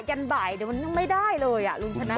ยันบ่ายเดี๋ยวมันไม่ได้เลยลุงชนะ